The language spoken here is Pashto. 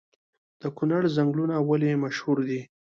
د کونړ ځنګلونه ولې مشهور دي؟